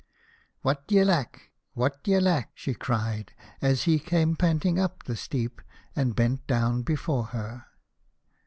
" What d'ye lack ? What d'ye lack ?" she cried, as he came panting up the steep, and bent down before her.